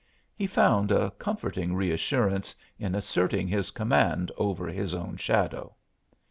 He found a comforting reassurance in asserting his command over his own shadow.